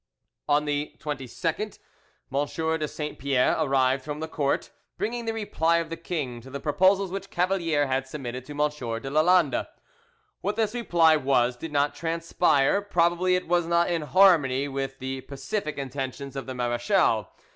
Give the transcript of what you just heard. On the 22nd M. de Saint Pierre arrived from the court, bringing the reply of the king to the proposals which Cavalier had submitted to M. de Lalande. What this reply was did not transpire; probably it was not in harmony with the pacific intentions of the marechal.